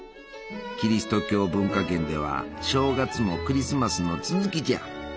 キリスト教文化圏では正月もクリスマスの続きじゃ。